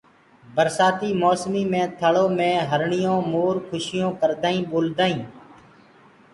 برسآتي موسم ٿݪو مي هرڻي مور کُشيون ڪردآ ٻولدآئين